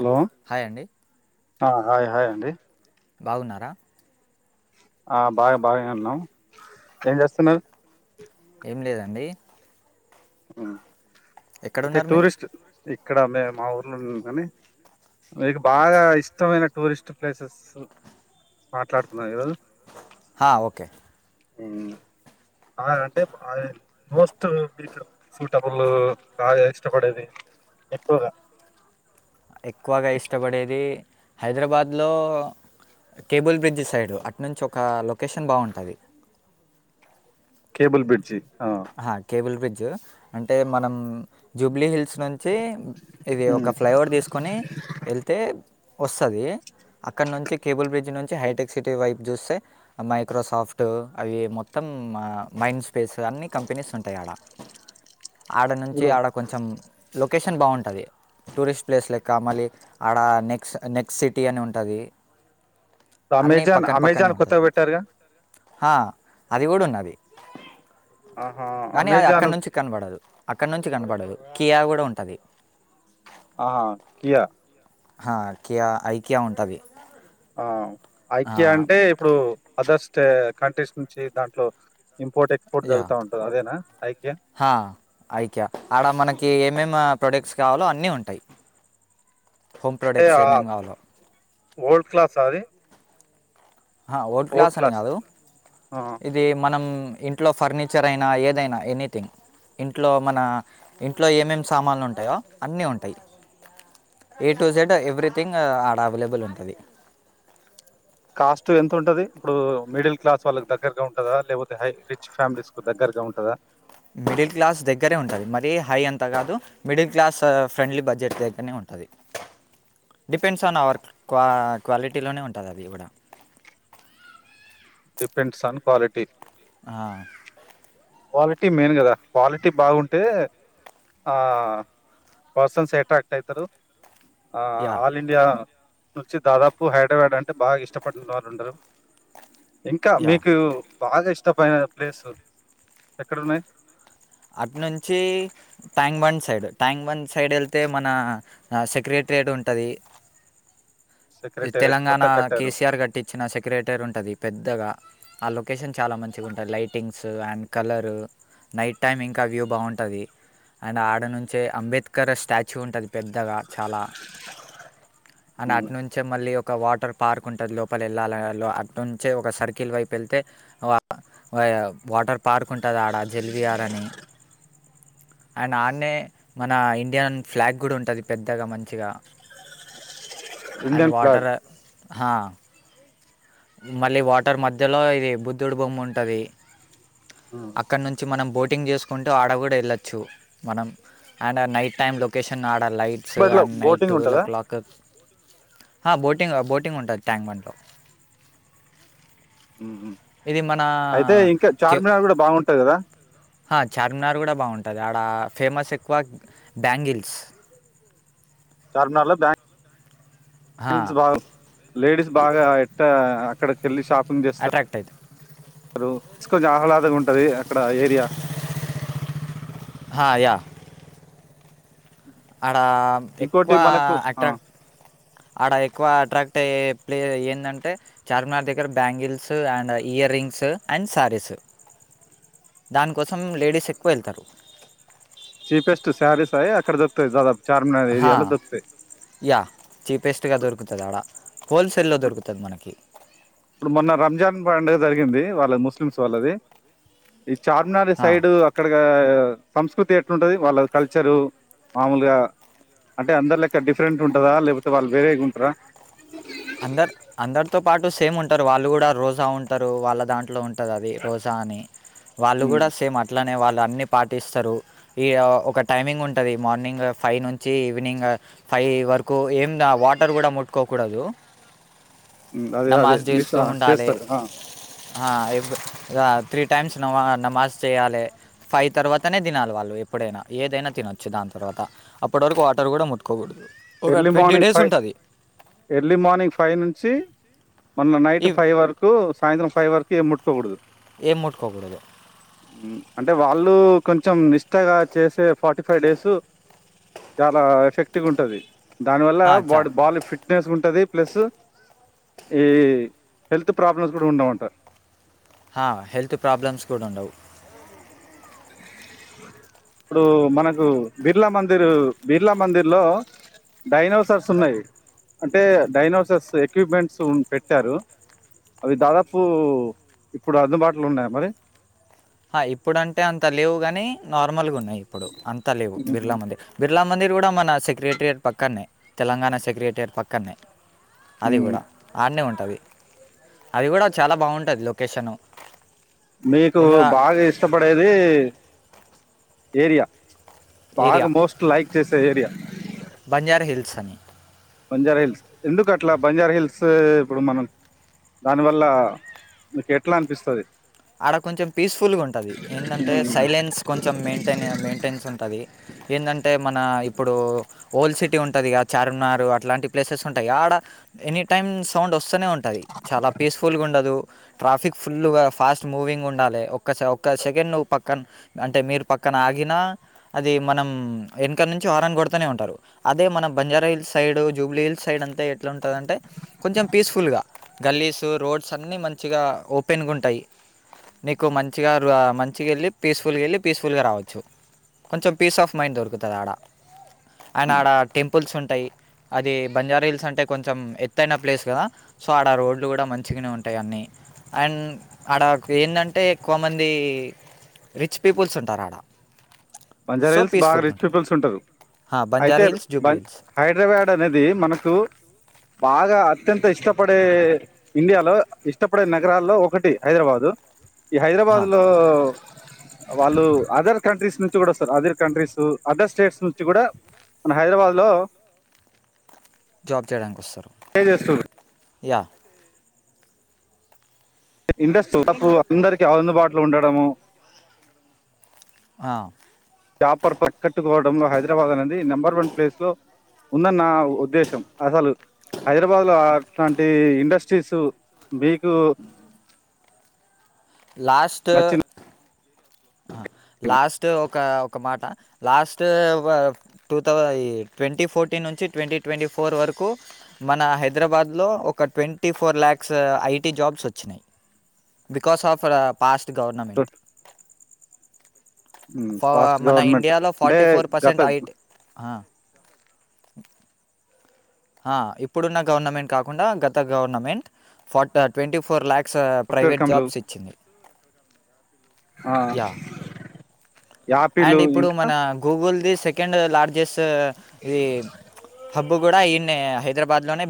Hello hi అండి ఆ hi hi అండి బాగున్నారా ఆ బాగా బాగనే వున్నాం ఏం చేస్తున్నారు ఏం లేదండి ఆ ఇతే ఎక్కడున్నారు మీరు టూరిస్ట్ ఇక్కడ మేము మా ఊర్లో కాని మీకు బాగా ఇష్టమైన టూరిస్ట్ ప్లేసెస్ మాట్లాడుతున్నాయి ఈరోజు హా ఒకే అంటే మోస్ట్ సూటబుల్ బాగా ఇష్టపడేది ఎక్కువగా ఎక్కువగా ఇష్టపడేది హైదరాబాద్లో కేబుల్ బ్రిడ్జ్ సైడు అటు నుంచి ఒక లొకేషన్ బాగుంటుంది కేబల్ బిడ్జి కేబుల్ బ్రిడ్జ్ అంటే మనం జూబ్లీ హిల్స్ నుంచి వచ్చి ఇవి ఒక ఉమ్. ఫ్లైఓవర్ తీసుకొని వెళ్తే వస్తుంది అక్కడ నుంచి కేబుల్ బ్రిడ్జ్ నుంచి హైటెక్ సిటీ వైపు చూస్తే మైక్రోసాఫ్ట్ అవి మొత్తం మైండ్ స్పేస్ అన్నీ కంపెనీస్ ఉంటాయి ఆడ ఆడ నుంచి ఇప్పుడు ఆడ కొంచెం లొకేషన్ బాగుంటుంది టూరిస్ట్ ప్లేస్ లెక్క మళ్ళీ ఆడ నెక్స్ట్ నెక్స్ట్ సిటీ అని ఉంటుంది అమెజాన్ అమెజాన్ కొత్తగా పెట్టారుగా ఆ అది కూడా ఉన్నది ఆహా కానీ అది అమెజాన్ అక్కడి నుంచి కనపడదు అక్కడి నుంచి కనపడదు కియా కూడా ఉంటది ఆ కియా ఆ ఐ కయా ఐకయా ఉంటుంది ఆ ఐక్య అంటే ఇప్పుడు అదర్స్ అంటే కంట్రీస్ నుంచి దాంట్లో ఇంపోర్ట్, ఎక్స్‌పోర్ట్ యా జరుగుతా ఉంటది. అదేనా ఐకియా? హ అ ఐకియా ఆడ మనకి ఏమేమి ప్రొడక్ట్స్ కావాలో అన్నీ ఉంటాయి హోమ్ అంటే ప్రొడక్ట్స్ ఏమేమి కావాలో ఓల్డ్ క్లాస్ అది ఓట్ క్లాస్ అని కాదు ఆ! ఇది మనం ఇంట్లో ఫర్నిచర్ అయినా ఏదైనా ఎనీథింగ్ ఇంట్లో మన ఇంట్లో ఏమేమి సామాన్లు ఉంటాయో అన్నీ ఉంటాయి ఏ టు జెడ్ ఎవ్రీథింగ్ ఆడ అవైలబుల్ ఉంటుంది కాస్ట్ ఎంత ఉంటది ఇప్పుడు మిడిల్ క్లాస్ వాళ్ళకి దగ్గరగా ఉంటదా లేకపోతే హై రిచ్ ఫ్యామిలీస్ కు దగ్గరగా ఉంటదా మిడిల్ క్లాస్ దగ్గరే ఉంటుంది మరీ హై అంతా కాదు మిడిల్ క్లాస్ ఫ్రెండ్లీ బడ్జెట్ దగ్గరనే ఉంటుంది డిపెండ్స్ ఆన్ అవర్ క క్వాలిటీలోనే ఉంటుంది అది కూడా డిపెండ్స్ ఆన్ క్వాలిటీ ఆ క్వాలిటీ మెయిన్ కదా క్వాలిటీ బాగుంటే ఆ పర్సన్స్ అట్రాక్ట్ అవుతారు ఆ యా ఆల్ ఇండియా నుంచి దాదాపు హైదరాబాద్ అంటే బాగా ఇష్టపడిన వాళ్ళు ఉండరు ఇంకా యా మీకు బాగా ఇష్టం మత్త పైన ప్లేసు ఎక్కడ ఉన్నాయి అటు నుంచి ట్యాంగ్ వన్ సైడ్ ట్యాంగ్ వన్ సైడ్ వెళ్తే మన సెక్రటరియేట్ ఉంటది ఇ సెక్రటేరియట్ తెలంగాణ కొత్త కట్టారు కేసీఆర్ కట్టిచ్చిన సెక్రటరీ ఉంటది పెద్దగా ఆ లొకేషన్ చాలా మంచిగా ఉంటాది lightings and colour night time ఇంకా వ్యూ బాగుంటుంది అండ్ ఆడ నుంచే అంబేద్కర్ స్టాచ్యూ ఉంటది పెద్దగా చాలా అండ్ అటునుంచే మళ్ళీ ఒక ఒక వాటర్ పార్క్ ఉంటది లోపల వెళ్ళాల అటు నుంచే ఒక సర్కిల్ వైపు వెళ్తే ఆ వాటర్ పార్క్ ఉంటది ఆడ జల్వి ఆర్ అని అండ్ ఆడనే మన ఇండియన్ ఫ్లాగ్ కూడా ఉంటది పెద్దగా మంచిగా అండ్ ఇండియన్ ఫ్లాగ్ వాటర హా మళ్ళీ వాటర్ మధ్యలో ఇది బుద్ధుడు బొమ్మ ఉంటది అక్కడ నుంచి మనం టింగ్ చేసుకుంటూ ఆడ కూడా వెళ్ళచ్చు మనం అండ్ ఆ నైట్ టైం లొకేషన్ ఆ లైట్స్ బట్ లో and night boating twelve o ఉంటదా క్లాక్ హ బోట్ టింగ్ బోటింగ్ ఉంటది ట్యాంక్ బండ్ లో అయితే ఇంక చార్మినార్ కూడ బాగుంటది కదా? హా చార్మినార్ కూడ బాగుంటది, ఆడ ఫేమస్ ఎక్కువ బ్యాంగిల్స్. చార్మినార్ల బాన్ బ్యాంగిల్స్ బాగా, లేడీస్ బాగా ఎట్ట క్కడ కిళ్లి షాప్ ఎం అట్రాక్ట్ అవుతుంది చేస్తరు, కొంచెం ఆహ్లాద్ ల్లగుంటది ఆ క్కడ ఏరియా యా ఆడ ఇంకోటి ఎక్కువ మనకు అట్రాక్ట్, ఆడ ఎక్కువ అట్రాక్ట్ అయ్యే ప్లే ఏన్ ఏంటంటే చార్మినార్ దగ్గర bangles and earrings and saris. దానికోసం లేడీస్ ఎక్కువ ఎళ్తరు. చీపెస్ట్ సారీస్ అయి, అక్కడ దొరుకుతయి దాదాపు. చార్మినార్ హా, ఏరియాలో దొరుకుతాయి యా చీపెస్ట్గా దొరుకుతది ఆడ. హోల్సేల్లో ఇప్పుడు- దొరుకుతది మనకి. ఇప్పుడు మొన్న రంజాన్ పండుగ జరిగింది వాళ్ళ ముస్లిమ్స్ వాళ్ళది చార్మినార్ సైడ్, అక్కడగా సంస్కృతి ఎట్లుంటది? వాళ్ళ కల్చరు మామూలుగా అంటే, అందరు లెక్క డిఫరెంట్ ఉంటదా? లేకపోతే వాళ్ళు వేరేగుంటరా? అందర్ అందరితో పాటు సేమ్ ఉంటరు, వాళ్ళు కూడా రోజా ఉంటరు, వాళ్ళ దాంట్లో ఉంటదది రోజా అని. వాళ్ళు ఉమ్, కూడా సేమ్ అట్లాన్ అనే వాళ్ళు అన్ని పాటిస్తారు, ఈ ఒక టైమింగ్ ఉంటది, మార్నింగ్ ఫైవ్ నుంచి ఈవినింగ్ ఫైవ్ వరకు ఏం వాటర్ కూడా ముట్టుకోకూడదు. ఉమ్ అదే అదే నమాజ్ [unintelligible] చేస్తరు, ఆ ఆ ఎవర్ ఇగా త్రీ టైమ్స్ నమా నమాజ్ చేయాలే. ఫైవ్ తర్వాతనే తినాలి వాళ్ళు ఎప్పుడైనా, ఏదైనా తినొచ్చు దాని తర్వాత. అప్పటి వరకు వాటర్ కూడా ముట్కోకూడదు. Early morning five, early morning ఫై ఫైవ్ నుంచి మొన్న నైట్ ఈ ఫైవ్ వరకు, సాయంత్రం ఫైవ్ వరకు ఏం ముట్ పోకూడదు. ఏం ముట్టుకోకూడదు. ఉమ్, అంటే వాళ్ళు కొంచెం నిష్టగా చేసే ఫార్టీ ఫైవ్ డేస్, చాలా ఎఫెక్టివ్ ఉంటది. దాని వల్ల హా, చా బాడ్ బాడి ఫిట్నెస్గుంటది. ప్లస్ ఈ హెల్త్ ప్రాబ్లమ్స్ కూడ ఉండవంట. హా, హెల్త్ ప్రాబ్లమ్స్ కూడ ఉండవు. ఇప్పుడు మనకు బిర్లా మందిర్, బిర్లా మందిర్ లో డైనోసర్స్ ఉన్నయి. అంటే డైనోసర్స్ ఎక్విప్మెంట్స్ ఉం పెట్టారు. అవి దాదాపు ఇప్పుడు అందుబాటులొ ఉన్నయా మరి? హా ఇప్ ఇప్పుడు అంటే అంత లేవు గనీ, నార్మల్గ ఉన్నాయి ఇప్పుడు. అంత లేవు, బిర్లా మ్మ్. మందిర్ బిర్ బిర్లా మందిర్ కూడ మన సెక్రటెరియట్ పక్కన్నే, తెలంగాణ సెక్రటెరియట్ పక్కన్నె. అది కూడ మ్మ్. ఆన్నే ఉంట్ టది అది కూడ చాలా బాగుంటది లొకేషను. మీకు బాగచేసి ఇష్టపడేది ఏరియా. బాగా ఏరియా మోస్ట్ లైక్ చేసే ఏరియా. బంజారా హిల్స్ అని బంజారా హిల్స్ ఎందుకు అట్లా బంజార్ హిల్స్ [inaudible] ఇప్పుడు మనం దాని వల్లా మీకు ఎట్లా అనిపిస్తది. అడా కొంచెం పీస్ఫుల్గా ఉంటది. ఏందంటే సైలెన్స్ కొంచెం మెయింటైన్ మెయింటెన్స్ ఉంటది. ఏందంటే మన ఇప్పుడు ఓల్డ్ సిటీ ఉంటదిగా చారుమినార్ అట్లాంటి ప్లేసెస్ ఉంటయిగా ఆడ ఎనీ టైమ్ సౌండ్ వస్తనే ఉంటది. చాలా పీస్ఫుల్గా ఉండదు. ట్రాఫిక్ ఫుల్గా ఫాస్ట్ మూవింగ్ ఉండాలె. ఒక్కస ఒక్క సెకండ్ నువ్వు పక్కన అంటే మీరు పక్కన ఆగినా అది మనం వెనక నుంచి హారన్ కొడుతనే ఉంటరు. అదే మనం Banjara Hills side, Jubilee Hills side అంతా ఎట్లాంటుందంటే కొంచెం పీస్ఫుల్గా గల్లీస్, రోడ్స్ అన్నీ మంచిగా ఓపెన్గా ఉంటయి. నీకు మంచిగా మంచిగా వెళ్ళి పీస్ఫుల్గా వెళ్ళి పీస్ఫుల్గా రావచ్చు. కొంచెం పీస్ ఆఫ్ మైండ్ దొరుకుతది ఆడ. ఆయన ఆడ టెంపుల్స్ ఉంటయి. అది బంజారా హిల్స్ అంటే కొంచెం ఎత్తైన ప్లేస్ కదా, సో ఆడ రోడ్లు కూడా మంచిగనే ఉంటాయి అన్నీ అండ్ ఆడకు ఏందంటే ఎక్కువ మంది రిచ్ పీపుల్స్ ఉంటారు ఆడ. బంజారా సో హిల్స్ బాగా పీస్ఫుల్గా రిచ్ ఉంటుంది పీపుల్స్ ఉంటరు. అయితే బంజారా హిల్స్ జూబ్లీ బం హిల్స్ హైదరాబాద్ అనేది మనకు బాగా అత్యంత ఇష్టపడే ఇండియాలో ఇష్టపడే నగరాల్లో ఒకటి హైదరాబాదు. ఈ హైదరాబాద్ లో వాళ్ళు అదర్ కంట్రీస్ నుం చి వస్తరు అదర్ కంట్రీస్, అదర్ స్టేట్స్ నుంచి కూడా మన హైదరాబాద్ లో జాబ్ చేయడానికి వస్తరు. ఏం చెస్తుర్రు. యా ఇండస్ట్రీ అందరికి అందుబాటులో ఉండడము. ఆ జాపర్ ప కట్టుకోవడంలో హైదరాబాద్ అనేది నెంబర్ వన్ ప్లేస్ లో ఉందన్న నా ఉద్దేశం. అసలు హైదరాబాద్ లో అట్లాంటి ఇండస్ట్రీసు బీకు లాస్ట్ నచ్చిన లాస్ట్ ఒక ఒక మాట లాస్ట్ ఒక టూ థౌసండ్ ట్వంటీ ఫోర్టీన్ నుంచి ట్వంటీ ట్వంటీ ఫోర్ వరకు మన హైదరాబాద్లో ఒక twenty four lakhs IT jobs వచ్చినయి. Because of past government. ఫా ఫాస్ట్ మన గవర్నమెంట్ ఇండియాలో అంటే ఫార్టీ ఫోర్ పర్సెంట్ గత ఐటి ఆ హ ఇప్పుడున్న గవర్నమెంట్ కాకుండా గత గవర్నమెంట్ ఫ twenty four lakhs software private కంపెనీలు జాబ్స్ ఇచ్చింది. ఆ యా యాపిల్ అండ్ ఇప్పుడు ఇంకా మన Google the second largest ఇది హబ్బు కూడా ఈన్నె హైదరాబాద్ లోనె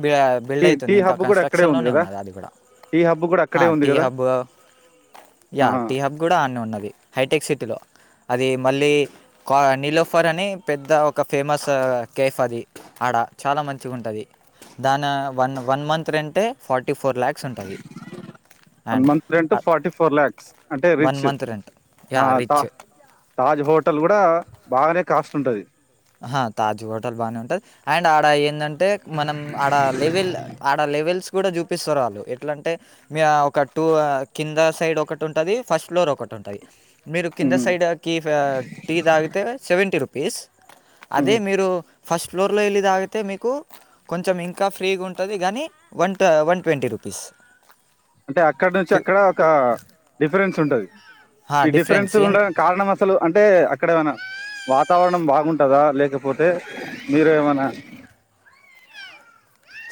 బిల్డ్ టీ అయితుంది టీ ఇంక హబ్ కూడా అక్కడే కన్స్ట్రక్షన్ ఉంది లోనే కదా ఉన్నది అది కూడా టీ హబ్ కూడా హ అక్కడే ఉంది టీ కదా హాబ్ యా టీ హాబ్ కూడా ఆనే ఉన్నది హైటెక్ సిటీలో అది మళ్ళీ కా నీలోఫర్ అని పెద్ద ఒక ఫేమస్ కేఫ్ అది ఆడ చాలా మంచిగా ఉంటది దాని వన్ వన్ మంత్ రెంటే ఫా థర్టీ ఫోర్ లాక్స్ అంటా అది and month rent forty four lakhs అంటే వన్ రిచ్ మంత్ రెంట్ ఆ, యా రిచ్ తా- తాజ్ హోటల్ కూడా బాగానే కాస్ట్ ఉంటది అహా తాజ్ హోటల్ బానే ఉంటది అండ్ ఆడ ఏందంటే మనం ఆడ లెవెల్ ఆడ లెవెల్స్ కూడా చూపిస్తారు వాళ్ళు ఎట్లా అంటే మీ ఒక టూ కింద సైడ్ ఒకటి ఉంటది ఫస్ట్ ఫ్లోర్ ఒకటి ఉంటది మీరు కింద ఉమ్, సైడ్కి టీ తాగితే సెవెంటీ రూ పీస్ అదే ఉమ్. మీరు ఫస్ట్ ఫ్లోర్లో వెళ్ళి తాగితే మీకు కొంచెం ఇంకా ఫ్రీగా ఉంటది కానీ వన్ వన్ ట్వంటీ రూపీస్ అంటే అక్కడ నుంచి అక్కడ ఒక డిఫరెన్స్ ఉంటది ఈ డిఫరెన్స్ ఉండడానికి కారణం అసలు అంటే అక్కడేమన్నా వాతావరణం బాగుంటదా లేకపోతే మీరు ఏమన్నా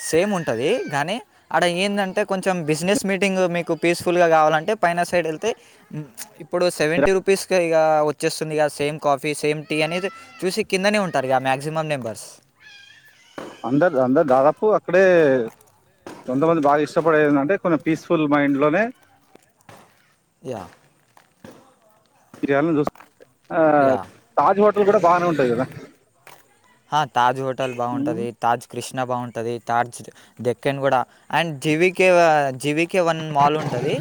సేమ్ ఉంటది కానీ అడ ఏందంటే కొంచెం బిజినెస్ మీటింగ్ మీకు పీస్ఫుల్గా కావాలంటే పైన సైడ్ వెళ్తే ఇప్పుడు సెవంటీ రూపీస్ కే ఇగ వచ్చేస్తుంది గా సేమ్ కాఫీ సేమ్ టీ అనేది చూసి కిందనే ఉంటారు మ్యాక్సిమం మెంబర్స్ అందరు అందరు దాదాపు ఇక్కడే కొంతమంది బాగా ఇష్టపడేది ఏందంటే కొన్ని పీస్ఫుల్ మైండ్ లోనే యా చేయాలని చూసు ఆ యా తాజ్ హోట ల్ కూడా బాగానే ఉంటది కదా ఆ తాజ్ హోటల్ ఉమ్. బాగుంటది తాజ్ కృష్ ణ బావుంటది. తాజ్, దెక్కన్ కూడా and G V K G V K one mall ఉంటది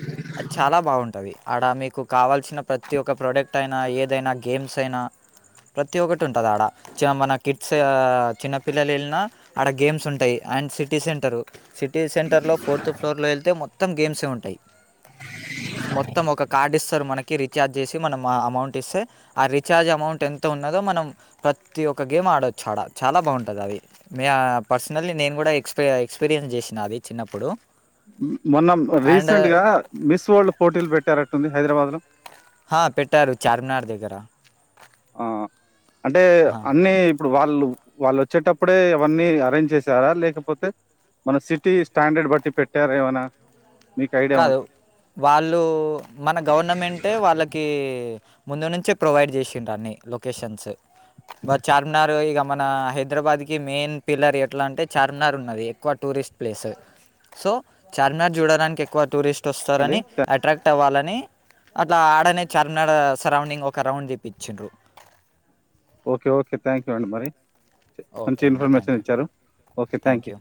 చాలా బావుంటది ఆడ మీకు కావాలిసిన ప్రతి ఒక్క ప్రోడక్ట్ అయిన, ఏదైన గేమ్స్ అయిన ప్రతి ఒకటి ఉంటది ఆడ చ మన కిడ్స్ చిన్నపిల్లలు వెళ్ళినా ఆడ గేమ్స్ ఉంటాయి and city centre city city సెంటర్లో ఫోర్త్ ఫ్లోర్లో వెళ్తే మొ మొత్తం గేమ్సే ఉంటాయి మొత్తం ఒక కార్డు ఇస్తారు మనకి రిచార్జ్ చేసి మనం అమౌంట్ ఇస్తే ఆ రీచార్జ్ అమౌంట్ ఎంత ఉన్నదో మనం ప్రతి ఒక్క గేమ్ ఆడొచ్చు ఆడ చాలా బాగుంటది అది మే పర్సనల్లీ నేను కూడా ఎక్స్పీ ఎక్స్పీరియన్స్ చేసిన అది చిన్నప్పుడు మొన్న అండ్ రీసెంట్ గా మిస్ వరల్డ్ పోటీలు పెట్టారట్టుంది హైదరాబాద్లో ఆ పెట్టారు చార్మినార్ దగ్గర ఆ అంటే అన్నీ ఇప్పుడు వాళ్ళు వాళ్ళు వచ్చేటప్పుడే అవన్నీ అరేంజ్ చేసారా లేకపోతే మన సిటీ స్టాండర్డ్ బట్టి పెట్టారా ఏవనా. కాదు వాళ్ళు మన గవర్నమెంటే వాళ్ళకి ముందు నుంచే ప్రొవైడ్ చేసిండ్రు అన్ని లొకేషన్స్ బట్ చార్మినార్ ఇక మన హైదరాబాద్కి మెయిన్ పిల్లర్ ఎట్లా అంటే చార్మినార్ ఉన్నది. ఎక్కువ టూరిస్ట్ ప్లేసు సో చార్మినార్ జూడడానికి ఎ క్కువ టూరిస్ అండి? టొస్సారని అట్రాక్ట్ అవ్వాలన్ అట్లా ఆడనే చార్మినార్ సరౌండింగ్ ఒక రౌండ్ తిప్పించుండ్రు ఓకే ఓకే థ్యాంక్ యూ అండి మరి మంచి ఓకే అండి థ్యాంక్ ఇన్ఫర్మేషన్ యూ ఇచ్చారు ఓకే థ్యాంక్ యూ